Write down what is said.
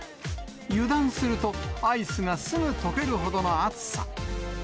油断すると、アイスがすぐとけるほどの暑さ。